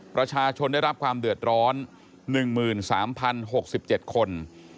ประชาชนได้รับความเดือดร้อน๑๓๐๖๗คน